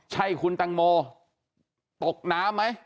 ใช่คุณตังโมตกน้ำไหม